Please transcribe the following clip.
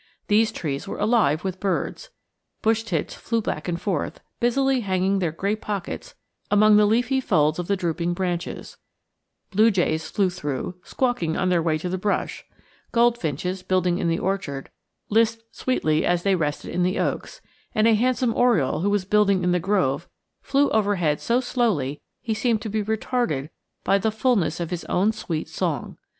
These trees were alive with birds. Bush tits flew back and forth, busily hanging their gray pockets among the leafy folds of the drooping branches; blue jays flew through, squawking on their way to the brush; goldfinches, building in the orchard, lisped sweetly as they rested in the oaks; and a handsome oriole who was building in the grove flew overhead so slowly he seemed to be retarded by the fullness of his own sweet song.